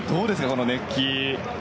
この熱気。